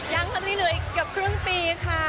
ยังค่อนข้างนี้เหลืออีกกับครึ่งปีค่ะ